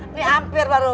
ini hampir baru